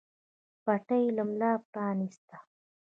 پټۍ يې له ملا پرانېسته.